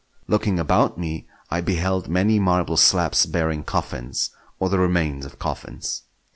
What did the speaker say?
Looking about me, I beheld many marble slabs bearing coffins, or the remains of coffins.